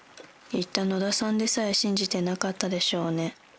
言った野田さんでさえ信じてなかったでしょうね。